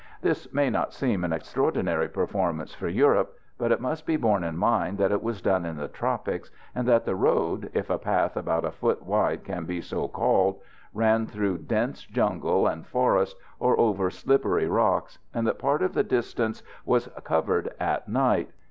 This may not seem an extraordinary performance for Europe, but it must be borne in mind that it was done in the tropics, and that the road if a path about a foot wide can be so called ran through dense jungle and forest, or over slippery rocks, and that part of the distance was covered at night.